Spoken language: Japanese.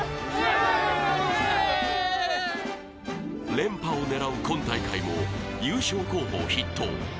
連覇を狙う今大会も優勝候補筆頭。